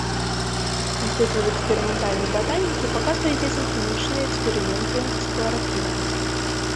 Інстытут эксперыментальнай батанікі паказвае дзецям хімічныя эксперыменты з хларафілам.